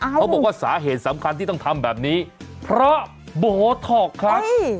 เขาบอกว่าสาเหตุสำคัญที่ต้องทำแบบนี้เพราะโบท็อกครับ